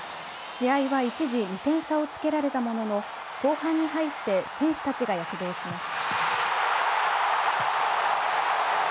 試合は一時２点差をつけられたものの後半に入って選手たちが躍動します。